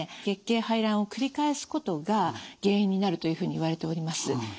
月経排卵を繰り返すことが原因になるというふうにいわれております。